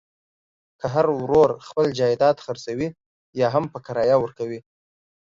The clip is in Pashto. که هر ورور خپل جایداد خرڅوي یاهم په کرایه ورکوي.